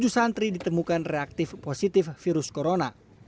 tujuh santri ditemukan reaktif positif virus corona